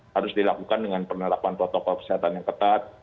harus dilakukan dengan penerapan protokol kesehatan yang ketat